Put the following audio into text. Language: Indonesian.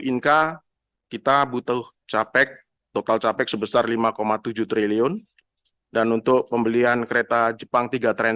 inca kita butuh capek total capek sebesar lima tujuh triliun dan untuk pembelian kereta jepang tiga ratus tujuh puluh enam